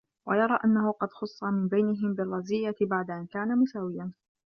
وَيَرَى أَنَّهُ قَدْ خُصَّ مِنْ بَيْنِهِمْ بِالرَّزِيَّةِ بَعْدَ أَنْ كَانَ مُسَاوِيًا